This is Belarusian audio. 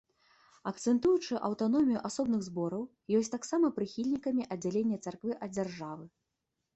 Акцэнтуючы аўтаномію асобных збораў, ёсць таксама прыхільнікамі аддзялення царквы ад дзяржавы.